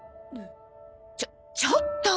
ちょちょっと。